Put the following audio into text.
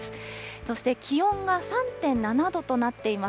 そして気温が３．７度となっています。